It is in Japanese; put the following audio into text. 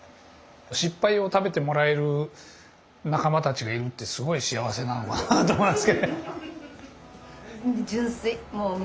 失敗を食べてもらえる仲間たちがいるってすごい幸せなのかなと思いますけど。